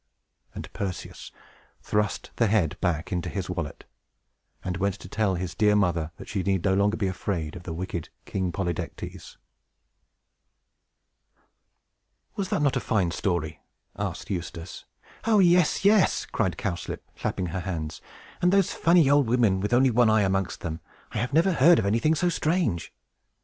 And Perseus thrust the head back into his wallet, and went to tell his dear mother that she need no longer be afraid of the wicked King Polydectes. TANGLEWOOD PORCH AFTER THE STORY "Was not that a very fine story?" asked Eustace. "Oh, yes, yes!" cried Cowslip, clapping her hands. "And those funny old women, with only one eye amongst them! I never heard of anything so strange."